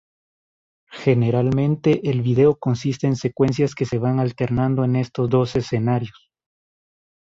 Generalmente, el video consiste en secuencias que se van alternando en estos dos escenarios.